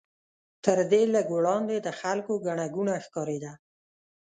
تر دې لږ وړاندې د خلکو ګڼه ګوڼه ښکارېده.